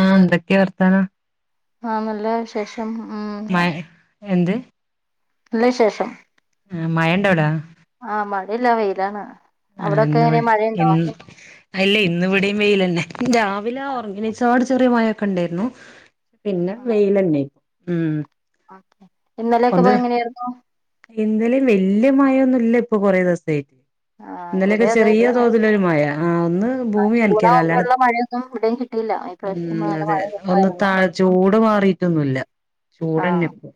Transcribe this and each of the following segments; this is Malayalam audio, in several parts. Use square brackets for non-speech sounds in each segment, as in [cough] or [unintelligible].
ആഹ് എന്തൊക്കെ വർത്താനം ആഹ് നല്ല വിശേഷം ഉം മഴ ഇങ്ങനെ എന്ത് നല്ല വിശേഷം ആഹ് മയണ്ട അവിടാ? ആഹ് മഴല്ലാ വെയിലാണ്. ആഹ് അവിടൊക്കെ ഇന്ന് വെ എങ്ങനെ മഴയുണ്ടോ ഇന്ന് അല്ല ഇന്ന് ഇവിടെയും വെയിലെന്നെ, രാവിലെആ ഒറങ്ങി എണീച്ചപാട് ചെറിയ മഴൊക്കെ ഇണ്ടേര്ന്നു. പിന്നെ വെയിലന്നെ ഉം. ആഹ്, ഇന്നലെയൊക്കെ ഇപ്പൊ ഒന്ന് എങ്ങനെയായിരുന്നു? ഇന്നലെയും വെല്ല്യ മഴൊന്നുല്ല ഇപ്പൊ കൊറേ ദിവസ്ത്തേക്ക്. ആഹ് ഇന്നലൊക്കെ ഇവിടെ ചെറിയ തോതിലൊരു മയ ആഹ് ഒന്ന് ആഹ് ഭൂമി നനക്കലാ അല്ലാതെ ചൂടാവുമ്പോള്ള മഴയൊന്നും ഇവിടെയും കിട്ടയില്ല, ഈ പ്രാവശ്യത്തെ ഉം മഴ അതെ നല്ല മഴ ഒന്ന് താ [unintelligible] ചൂട് മാറീട്ടൊന്നുല്ല ചൂടന്നെപ്പോ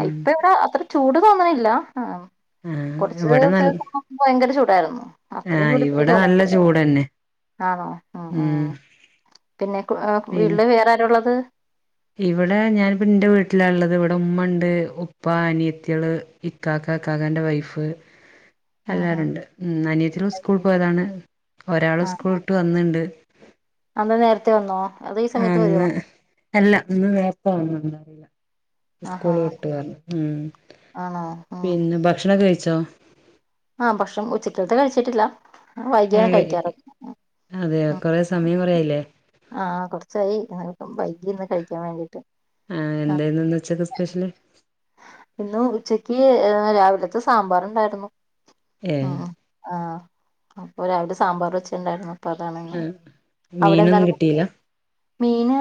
അയ് ഇപ്പ ഇവിടെ അത്ര ചൂട് തോന്ന്ണില്ലാ ആം ആഹ് കൊറച്ച് ഇവിടെ എത്തെ നല്ല തോണുമ്പ ഭയങ്കര ചൂടായിരുന്നു അത്രയും ആഹ് ചൂട് ഇപ്പ ഇവിടെ തോന്ന്ണ് നല്ല ചൂടന്നെ ആണോ? ആഹ്, ഉം ആഹ് പിന്നെ കോ പിന്നെ വീട്ടില് വേറെ ആരാ ഉള്ളത്? ഇവിടെ ഞാനിപ്പ ഇന്റെ വീട്ടിലാള്ളത് ഇവിടെ ഇമ്മ ഇണ്ട് ഉപ്പ അനിയത്തിള് ഇക്കാക്ക ഇക്കാക്കാന്റെ വൈഫ് ആഹ് എല്ലാരുണ്ട്. ഉം അനിയത്തിള് സ്കൂൾ പോയതാണ് ഒരാള് സ്കൂൾ വിട്ട് വന്ന്ണ്ട്. അതെന്താ നേരത്തെ വന്നോ? അതോ ഈ ആ സമയത്ത് ഇന്ന് വരുവോ അല്ല ഇന്ന് നേരത്തെ വന്ന് എന്താ അറീല. ആഹാ സ്കൂള് വിട്ട് വന്ന്, ഉം ആണോ ഉം പിന്നെ ഭക്ഷണക്കെ കഴിച്ചോ? ആഹ് ഭക്ഷണം ഉച്ചക്കൽത്തെ കഴിച്ചിട്ടില്ല. വൈകിയാണ് കഴിക്കാറ് ഏഹ് അതേയോ ഉം കൊറേ സമയം കൊറേയായില്ലേ. ആഹ് കൊറച്ചായി ഞാനിപ്പം വൈകീന്ന് കഴിക്കാൻ വേണ്ടിട്ട്. ആഹ് എന്തായിരുന്ന് ഇന്ന് ഉച്ചക്ക് സ്പെഷ്യല്? ഇന്ന് ഉച്ചയ്ക്ക് ഏഹ് രാവിലത്ത സാമ്പാറ്ണ്ടായിരുന്നു ഏഹ് ആഹ് ആഹ് അപ്പൊ രാവിലെ സാമ്പാറ് വെച്ചെണ്ടാരുന്നു. അപ്പ അതാണ് ഇങ്ങള്, ആഹ് മീനൊന്നും അവിടെന്തായിരുന്നു? കിട്ടിയില്ല മീന്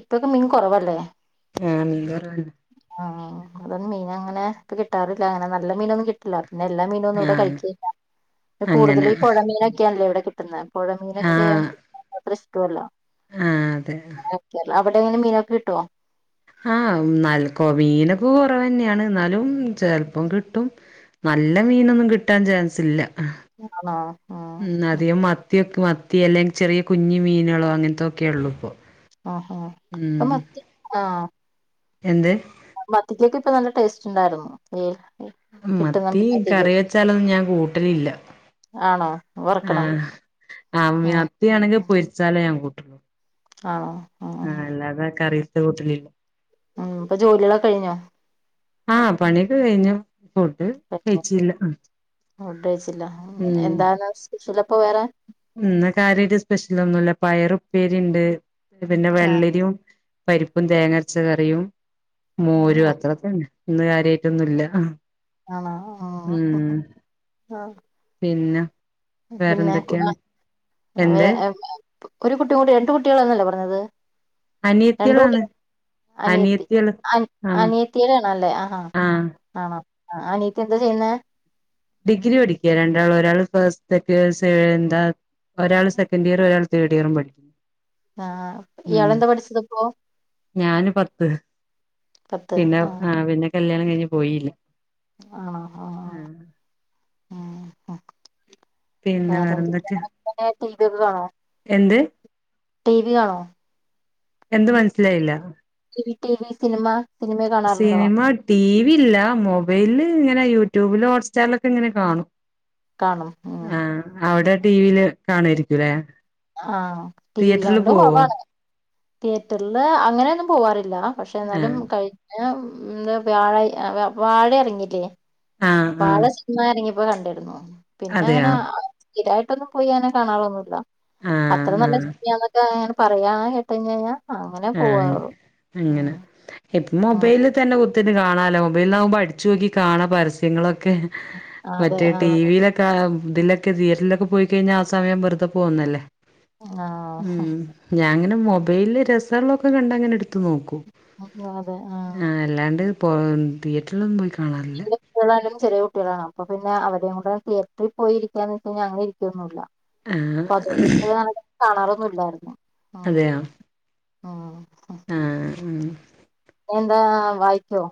ഇപ്പൊക്കെ മീൻ കൊറവല്ലേ ആഹ് മീൻ കൊറവന്നെ ആഹ് സാധാരണ മീനങ്ങനെ ഇപ്പ കിട്ടാറില്ലങ്ങിനെ നല്ല മീനൊന്നും കി ട്ട്ല്ല പിന്നെ എല്ലാ മീനൊന്നും ഇവിട ആഹ് കഴിക്കേയില്ല, ഇവട അങ്ങനെ കൂടുതല് ഈ പൊഴ മീനൊക്കെയാണല്ലോ ഇവിടെ കിട്ടുന്നേ ആഹ് പൊഴമീനൊക്കെയാണെങ്കിൽ അത്രിഷ്ടൊല്ല. ആഹ് അതെ [unintelligible] അവിടെ എങ്ങനാ മീനൊക്കെ കിട്ടോ? ആഹ് നൽക്കോ മീനൊക്കെ കൊറവന്യാണ് എന്നാലും ചെൽപ്പം കിട്ടും. നല്ല മീനൊന്നും കിട്ടാൻ ചാൻസില്ല ആഹ് ഉം അധികം മ ത്തി യൊക്ക് മത്തി അല്ലെങ്കി ചെറിയ കുഞ്ഞി മീനുകളോ അങ്ങൻത്തൊക്കെയൊള്ളിപ്പോ ആഹ് ഏഹ് ഇപ്പ മത്തി ആഹ് എന്ത്? മത്തിക്കൊക്കിപ്പ നല്ല ടേസ്റ്റിണ്ടായിരുന്നു. ഉം ഉം, മത്തീ കറി വെച്ചാലൊന്നും ഞാൻ കൂട്ടലില്ല. ആണോ? വറക്കണം ആഹ് ആ ഉം മ്യത്തിയാണെങ്കി പൊരിച്ചാലേ ഞാൻ കൂട്ടൊള്ളു. ആണോ ഉം ഉം ആഹ് അല്ലാതെ കറി വെച്ച് കൂട്ടലില്ല. ഉം ഇപ്പ ജോലികളെക്ക കഴിഞ്ഞോ? ആഹ് പണിയൊക്ക കഴിഞ്ഞു ഫുഡ് കെയിച്ചില്ല ആഹ് ഫുഡെയിച്ചില്ല എന്താന്ന് സ്പെഷ്യലപ്പ വേറേ? ഇന്ന് കാര്യോയിട്ട് സ്പെഷ്യലൊന്നില്ല പയറുപ്പേരിണ്ട് പിന്ന വെള്ളരിയും പരിപ്പും തേങ്ങരച്ചക്കറിയും മോരും ആഹ് അത്രത്തന്നെ ഇന്ന് കാര്യായിട്ടൊന്നൂല്ല. ആണോ ഉം പിന്നാ പിന്നേക്കു ആഹ് എന്ത് [unintelligible] ഒരു കുട്ടീകൂടിയെട്ട് കുട്ടികളെന്നല്ലേ പറഞ്ഞത്. രണ്ട് കുട്ടി അനിയത്തികളാണ്. അനിയത്തി അനിയത്തികള് ആഹ് അനിയത്തീടേണല്ലേ ആഹാ ആഹ് ആണോ അനിയത്തിയെന്താ ചെയ്യുന്നേ? ഡിഗ്രി പഠിക്കയാ രണ്ടാളും ഒരാള് ഫസ്റ്റ് [unintelligible] എന്താ ഒരാള് സെക്കന്റിയറും ഒരാള് തേഡിയറും പഠിക്കുന്നു. ആഹ് ഉം ഇയാളെന്താ പഠിച്ചത് ഇപ്പോ ഞാന് പത്ത് പിന്ന ആഹ് പിന്ന കല്ല്യാണം കഴിഞ്ഞ് പോയി. ആണാ ആഹ് ആഹ് ഉം പിന്നെ വേറെന്തൊക്കെയാ വേറെന്തുട്ടാണേ ചെയ്യ്തത് വേണോ? എന്ത്? ടീ വി കാണോ? എന്ത് മനസ്സിലായില്ല ഇനി T V cinema cinema, TV ഇല്ല മൊബൈൽല് ഇങ്ങനെ യൂട്യൂബില് ഹോട്ട്സ്റ്റാറിലൊക്കെ ഇങ്ങനെ കാണും. കാണും ഉം ആഹ് അവ്ടെ ടീ വി ല് കാണുവായിരിക്കുലേ. ആഹ് ടി വി കാണല് കൊറവാണ്. തിയേറ്റർല് അങ്ങനെയൊന്നും പോവാറില്ല. പക്ഷേ എന്നാലും ആഹ് കഴിഞ്ഞ എന്താ വ്യാഴ വാഴ എറങ്ങില്ലേ ആഹ് വാഴ ആഹ് സിനിമ എറങ്ങിയപ്പോ കണ്ടിരുന്നു പിന്നെ അതെയോ അങ്ങനെ സ്ഥിരായിട്ടൊന്നും പോയി അങ്ങനെ കാണാറൊന്നുല്ല. അത്ര ആഹ് നല്ല ആഹ് സിനമയാന്നൊക്കെ ഇങ്ങന പറയാന്ന് കേട്ട് കഴിഞ്ഞഴിഞ്ഞാ ആഹ് അങ്ങനെ. ഇപ്പം ഉം മൊബൈല് തന്നെ കുത്തിന് കാണാല്ലോ മൊബൈൽന്നാവുമ്പോ അടിച്ചോക്കി കാണാ പരസ്യങ്ങളൊക്കെ. അതെ മറ്റേ ടി ആഹ് വിയിലൊക്കെ ഇതിലൊക്കെ തിയേറ്ററിലൊക്കെ പോയിക്കഴിഞ്ഞാ ആ സമയം വെറുതെ പോകന്നല്ലേ. ആഹ് ഉം ഞാൻങ്ങനെ മൊബൈലില് രസള്ളൊക്കെ കണ്ടാ ഇങ്ങനെ ഇട്ത്ത് നോക്കും. ആഹ് അല്ലാണ്ട് പോ തിയേറ്റർലൊന്നും പോയി കാണാറില്ല [unintelligible] കുട്ടിയേളായാലും ചെറിയ കുട്ടികളാണ് അപ്പൊ പിന്നെ അവരയും കൂടെ തിയേറ്ററി പോയി ഇരിക്കാന്ന് വെച്ച് കഴിഞ്ഞാ അങ്ങനെ ഇരിക്കൊന്നുല്ല. ആ അപ്പ അതുകൊണ്ട് കാണാറൊന്നും ഇല്ലായിരുന്നു. അതെയോ ആഹ് ആഹ് ആഹ് പിന്നെന്താ, വായിക്കോ?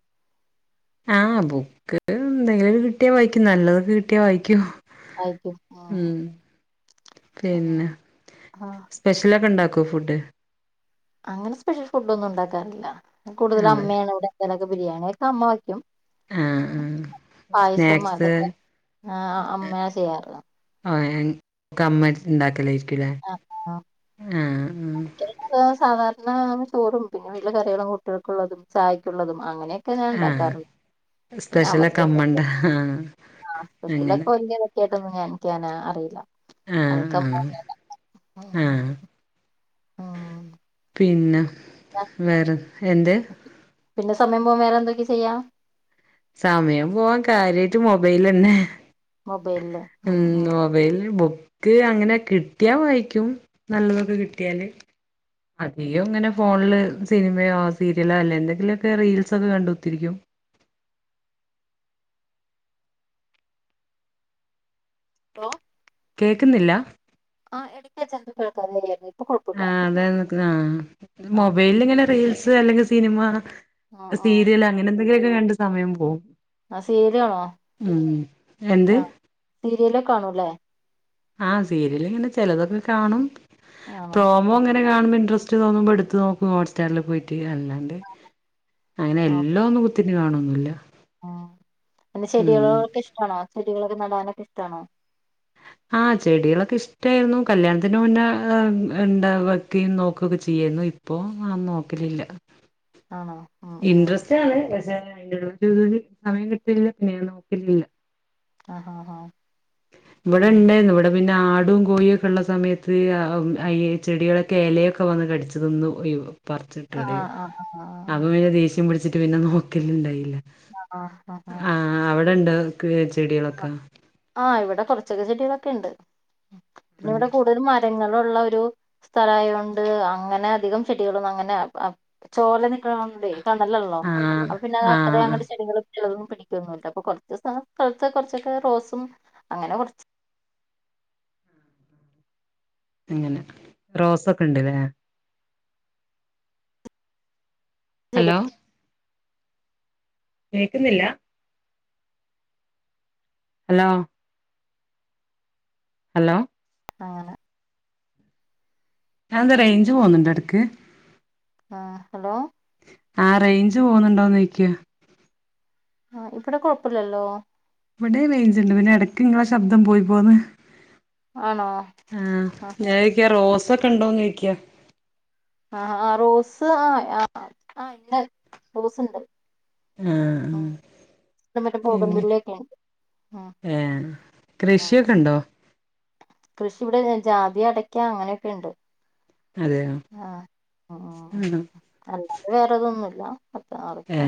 ആഹ് ബുക്ക് എന്തെങ്കിലൊക്കെ കിട്ടിയാ വായിക്കും നല്ലതൊക്കെ കിട്ടിയാ വായിക്കും. വായിക്കും ഉം ഉം പിന്നെ ആഹ് സ് പെഷ്യലൊക്കെ ഇണ്ടാക്കോ ഫുഡ്? അങ്ങനെ സ്പെഷ്യൽ ഫുഡൊന്നും ഉണ്ടാക്കാറില്ല കൂടുതലും അതെ അമ്മയാണ് ഇവിടെ എന്തേലൊക്കെ ബിരിയാണിയൊക്കെ അമ്മ വയ്ക്കും. ആ ആ പായസം സ്നാക്സ് അതൊക്കെ ആഹ് അമ്മയാ ചെയ്യാറുള്ളെ. ആഹ് ഏഹ് ക്ക അമ്മ ഇണ്ടാക്കലേര്ക്കുലേ ആഹ് ആഹ് [unintelligible] സാധാരണ ചോറും പിന്നെ വീട്ടിലെ കറികളും കുട്ടിയേൾക്കുള്ളതും ചായയ്ക്കുള്ളതും അങ്ങനെയൊ ക്കെ ഞാൻ ആ ഉണ്ടാക്കാറുണ്ട്. പിന്നെ സ്പെഷ്യലൊക്കെ അവർക്കൊക്കെ, അമ്മണ്ട ആ ആഹ് അങ്ങനെ സ്പെഷ്യലൊക്കെ [unintelligible] [unintelligible] പിന്നെ എനിക്കങ്ങനെ അറിയില്ല. ആ അതൊക്കെ ആ അമ്മ തന്നെയാ ഉണ്ടാക്ക്ണെ. ആ ഉം ഉം പിന്നെ, വേറെ, എന്ത്? പിന്നെ സമയം പോവാൻ വേറെന്തൊക്കെ ചെയ്യാ? സമയം പോവാൻ കാര്യായിട്ട് മൊബൈലെന്നെ. ഉം മൊബൈൽ ബു ക്ക് അങ്ങനെ കിട്ടിയാ വായിക്കും നല്ലതൊക്കെ കിട്ടിയാല്. അധികം ഇങ്ങനെ ഫോണില് സിനിമയോ സീരിയലോ അല്ലേ എന്തെങ്കിലൊക്കെ റീൽസ് ഒക്കെ കണ്ട് കുത്തിരിക്കും. ഹലോ കേക്കുന്നില്ല? ആഹ് എടക്ക് വെച്ച് എന്തോ കേൾക്കാ [unintelligible] ല്ലായിരുന്നു. ഇപ്പൊ കുഴപ്പമില്ല. ആഹ് ആ മൊബൈൽല് ഇങ്ങനെ റീൽസ് അല്ലെങ്കി സിനിമ ആ ആ സീരിയലങ്ങ നെന്തെങ്കിലൊക്കെ കണ്ട് സമയം പോവും. ആ സീരിയല് കാണോ ഉം. എന്ത് സീരിയലൊക്കെ കാണു ല്ലേ. ആഹ് സീരിയൽ ഇങ്ങനെ ചെലതൊക്കെ കാണും. ആണോ പ്രോമോങ്ങ നെ കാണുമ്പം ഇൻഡ്രസ്റ്റ് തോന്നുമ്പോ ഇട്ത്ത് നോക്കും ഹോട്ട്സ്റ്റാറില് പോയിട്ട്. അല്ലാ ണ്ട്, അങ്ങനെ ആ എല്ലം ഒന്നും കുത്തിര്ന്ന് കാണൊന്നുല്ല. ഉം പിന്നെ ഉം ചെടികളോടൊക്കെ ഇഷ്ടാണോ? ചെടികളൊക്കെ നടാനൊക്കെ ഇഷ്ടാണോ? ആഹ് ചെടികളൊക്കെ ഇഷ്ട്ടേര്ന്നു. കല്യാണത്തിന് മുന്നേ ഉണ്ട വെക്കേയും നോക്കൊക്കെ ചെയ്യാര്ന്നു. ഇ പ്പോം അങ്ങൻ നോക്കലില്ല. ആണോ ഉം ഉം ഇൻട്രസ്റ്റാണ് പക്ഷെ അയിൻ്റെ [unintelligible] സമയം കിട്ടില്ല പിന്നെ ഞാൻ നോക്കലില്ല. ആഹാ ഇവിടെ ഉണ്ടായിരുന്നു ഇവിടെ പിന്നെ ആടും കോഴിയും ഒക്കെ ഉള്ള സമയത്ത് ഈ ചെടികളെെ ലൊക്കെ വന്ന് കടിച്ചതൊന്ന് ആ [unintelligible] ആ ആ ആ ച്ചിട്ട് പിന്നെ നോക്കലണ്ടായില്ല ആഹ ആഹ ആഹ ആഹ് അവിടെണ്ട് ചെടികളൊക്കെ ആഹ് ഇവിടെ കുറച്ചൊക്കെ ചെടികളൊക്കെ ഉണ്ട് പിന്നെ ഇവിടെ കൂടുത മാ ങ്ങളുള്ള ഒരു സ്ഥലയൊണ്ട് അങ്ങനെ അധികം ചെടികളൊന്നും അങ്ങനെ ചോല നിക്കണോണ്ട് കണല്ലല്ലോ ആഹ് അപ്പൊ പിന്നെ ആഹ് അ അത്ര ആഹ് അങ്ങടെ ചെടികൾ ചെതന്നും പിടിക്കൊന്നുമില്ല അപ്പൊ കുറച്ച് കുറച്ചൊക്കെ റോസും അങ്ങനെ കുറ അങ്ങനെ റോസൊക്കെ ഉണ്ട്ല്ലേ ചെടി ഹലോ കേക്കുന്നില്ല ഹലോ ഹലോ ആഹ് അതെന്താ റേഞ്ച് പോകുന്നുണ്ട് ഇടയ്ക്ക് ആഹ് ഹലോ ആഹ് റേഞ്ച് പോകുന്നുണ്ടോന്ന് ചോയ്ക്ക ആഹ് ഇവിടെ കുഴപ്പില്ലല്ലോ ഇവിടെ റേഞ്ച് ണ്ട് പിന്നെ ഇടയ്ക്ക് ഇങ്ങളെ ശബ്ദം പോയി പോന്ന് ആണോ ആഹ് ആ ഞാൻ ചോയ്ക്ക റോസ ഒക്കെ ഉണ്ടോന്ന് ചോക്കാ ആഹ് ആ റോസ് ആഹ് ആ ആ ഇന്ന റോസ്ണ്ട്. ആഹ് ആ. ഉം മറ്റേ ബോഗൺ പിന്നെ. വില്ലയൊക്കെ ഉണ്ട് ഉം ഏഹ്. ഉം കൃഷിയൊക്കെ ഇണ്ടൊ. കൃഷി ഇവിടെ ജാതി, അടക്ക അങ്ങന്യൊക്കെ ഉണ്ട്. അതെയോ. ആ ആ. ഉം അല്ലാതെ വേറെതൊന്നു ഇല്ല. ഏ.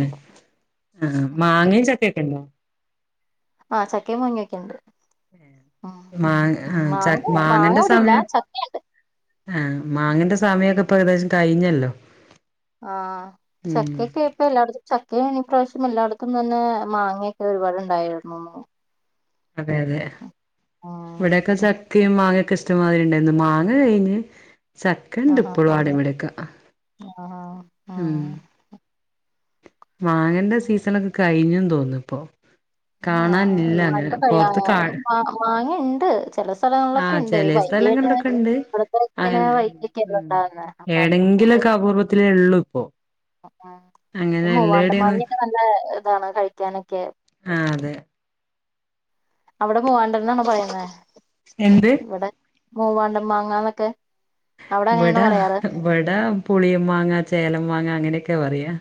ആ. മാങ്ങിം ചക്ക്യാെക്കെണ്ടോ. ആഹ് ചക്കേ മാങ്ങേക്കെണ്ട്. മാ ആ ച മാങ്ങ മാങ്ങ മാങ്ങന്റെ ഇവിടില്ല സമയം. ചക്കയുണ്ട് ആഹ് മാങ്ങെന്റെ സമയൊക്കെ ഇപ്പൊ ഏകദേശം കഴിഞ്ഞല്ലോ. ആഹ് ഉം ചക്കെക്കെക്ക് ഇപ്പൊ എല്ലായിടത്തും ചക്ക മാങ്ങ്യേ ഇപ്ര്രാവശ്യം എല്ലായിടത്തും തന്നെ മാങ്ങ്യെക്കെ ഒരു പാട് ഇണ്ടായിരുന്നു. അതെ. അതെ ഇവിട്യാെക്കെ ഉം ചക്കിം മാങ്ങൊക്കെ ഇഷ്ടം മാതിരി ഇണ്ടായിന്നു. മാങ്ങ കഴിഞ്ഞ് ചക്കണ്ട്പ്പോഴും ആടെ ഇവെടെക്കെ ആഹ്. ഉം. മാങ്ങെന്റെ സീസണൊക്കെ കഴിഞ്ഞ് തോന്ന് ഇപ്പം. ആഹ് കാണാനില്ലന്നെ. ഇപ്പൊ കഴിയാ പൊറ്ത്ത് കാ ഇപ്പം [unintelligible] മാ മാങ്ങണ്ട് ചെല സ്ഥലങ്ങളിലൊക്കെ ആഹ് ഉണ്ട് ഈ ചെലേ സ്ഥലങ്ങ വൈകിട്ട് ഇണ്ട് ഇവിടത്തെ ഇങ്ങനെ അങ്ങനെ. വൈകിയൊക്കെയല്ലേ ഉം. ഉണ്ടാവുന്നെ അപ്പൊ അവിടെയൊക്കെണ്ട് എടെങ്കിലൊക്കെ അപൂർവത്തിലേ ഒള്ളു ഇപ്പൊ. ഉം. മൂവാണ്ട മാങ്ങ നല്ല ഇതാണ് കഴിക്കാനൊക്കെ. ആ. അതെ. അവിടെ മൂവാണ്ടൻന്നാണ് പറയുന്നെ. എന്ത് ഇവിടെ മൂവാണ്ടം മാങ്ങാന്നൊക്കെ. അവിടെ അങ്ങനെയാണോ ഇവെടാ പറയാറ് ഇവെടാ പുളിയം മാങ്ങ ചേലം മാങ്ങ അങ്ങനെയൊക്കെ പറയാ.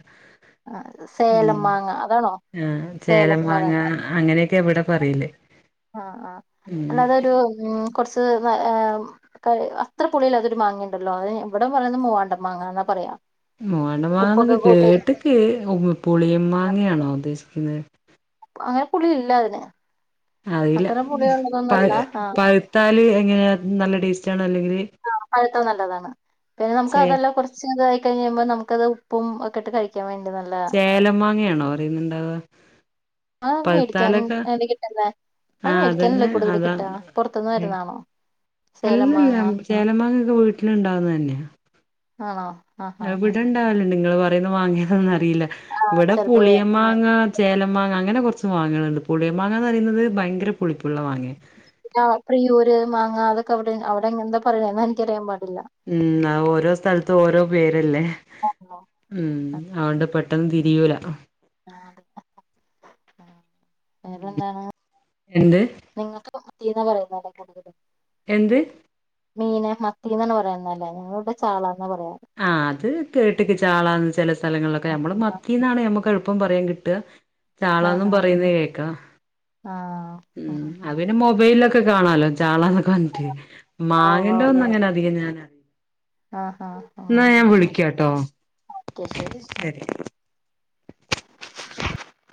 ആ, സേലം ഉം. മാങ്ങ അതാണോ ആ. ചേല സേലം എന്ന് മാങ്ങ. പറയുന്നത് അങ്ങനെയൊക്കെ ഇവെടെ പറ്യല്. ആഹ്. ആഹ്. അല്ലാതെ ഒരു ഉം. കൊ റ്ച്ച് ഏഹ് അത്ര പുളില്ലാതൊരു മാങ്ങ ഇണ്ടല്ലോ. ഏഹ്. ഇവിടം പറയുന്നെ മൂവാണ്ട മാങ്ങന്നാ പറയാ. മൂവാണ്ട മാങ്ങന്ന് ഉപ്പൊക്കെ ഒക്കെ കേട്ട്ക്ക്. ഉം. പുളിയൻ കൂട്ടുന്ന മാങ്ങയാണോ ഉദ്ദേശിക്കുന്നെ. അങ്ങനെ പുളി ഇല്ല അതിന്. അറീല്ല. അത്ര പ പുളിയുള്ളതൊന്നല്ല ആഹ് പഴ്ത്താല് എങ്ങനെ നല്ല ടേസ്റ്റ് ആണോ, അല്ലെങ്കില് ആഹ് പഴത്താ നല്ലതാണ്. പിന്നെ നമുക്ക് ചേ അതെല്ലാ കൊറചിങ്ങട്ട് ആയി കഴിഞ്ഞാ നമുക്കത് ഉപ്പും ഒക്കെ ഇട്ട് കഴി കഴിക്കാൻ വേണ്ടി നല്ല ചേലം മാങ്ങേണോ അറിയുന്ന്ണ്ടാവ. ആ മേടിക്കാനും എന്താ കിട്ടുന്നെ ആ അത് മേടിക്കാനല്ലേ അതന്നെ കൂടുതല് അതാ കിട്ടാ. പൊറത്ത്ന്ന് വരുന്നാണോ. സേല മാങ്ങ ചേലമാങ്ങ ഒക്കെ വീട്ടില് ഇ ണ്ടാവുന്നെ ആണൊ. ഇവിടെ ഇണ്ടാവല്ണ്ട്. ഇങ്ങള് പറയുന്ന മാങ്ങ ഏതാന്ന് അറിയില്ല. ഇവിടെ ചെലപ്പോ വേ പുളിയമ്മാങ്ങ ചേലം മാങ്ങ. അങ്ങനെ കൊറ്ച് മാങ്ങകള്ണ്ട്. പുളിയ മാങ്ങന്ന് പറീന്നത് ഭയങ്കര പുളിപ്പുള്ള മാങ്ങ്യ. പിന്നെ പ്രിയൂര് മാങ്ങ. അതൊക്കെ അവിടെ അവിടെ എങ്ങൻത്ത പറയാന്ന് എനിക്കറിയാൻ പാടില്ല. ഉം. അഹ് ഓരോ സ്ഥൽത്തും ഓരോ പേര്ല്ലെ. ആണോ ഉം അഓണ്ട് പെ ട്ടെന്ന് തിരിയൂല. ആ. വേറെന്താണ്. എന്ത് നിങ്ങക്ക് ഫിഫ്റ്റി ന്നാ പറയുന്നെലെ കൂടുതലും എന്ത് മീന് മത്തീന്നാണ് പറയുന്നതല്ലേ ഞങ്ങളിവിടെ ചാളാന്നാ പറയാ ആഹ് അത് കേട്ട്ക്ക് ചാളാന്ന് ചെല സ്ഥലങ്ങളിലൊക്കെ ഞമ്മള് മത്തീ ന്നാണ് ഞമ്മക്ക് എളുപ്പം പറയാൻ കിട്ടുക ചാളാന്നും ആഹ് പറയുന്ന കേക്കാം ആഹ് ഉം അപോ ആഹ് പിന്നെ മൊബൈലിലൊക്കെ കാണാലോ ചാളാന്നൊക്കെ വന്നിട്ട് മാങ്ങേന്റെ ആഹ് ഒന്നും അങ്ങനെ അധികം ഞാന് ആഹ് ആഹ് ആഹ് ന്നാ ആഹ് ഞാൻ വിളിക്കാട്ടോ ശരി